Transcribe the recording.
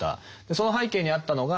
その背景にあったのが